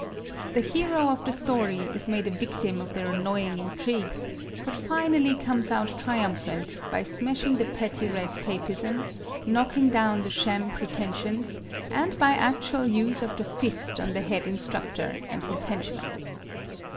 The hero of the story is made a victim of their annoying intrigues, but finally comes out triumphant by smashing the petty red tapism, knocking down the sham pretentions and by actual use of the fist on the Head Instructor and his henchman.